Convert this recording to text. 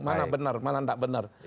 mana benar mana tidak benar